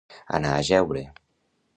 Anar a jeure.